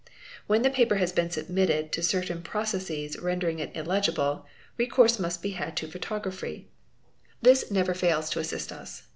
— When the paper has been submitted to certain processes rendering it illegible, recourse must be had to photography; this never fails to assist | us.